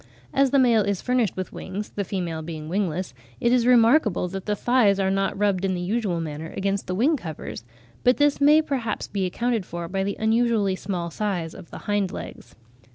As the male is furnished with wings (the female being wingless), it is remarkable that the thighs are not rubbed in the usual manner against the wing covers; but this may perhaps be accounted for by the unusually small size of the hind legs.